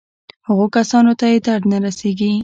هغو کسانو ته یې درد نه رسېږي.